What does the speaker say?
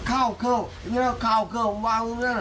ข้าวเครื่องอย่างนั้นข้าวเครื่องผมวางตรงนั้น